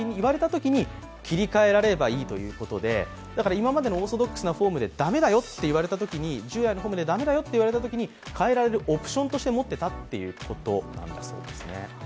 今までのオーソドックスなフォーム、従来のフォームで駄目だよと言われたときに、変えられるオプションとして持っていたということなんだそうですね。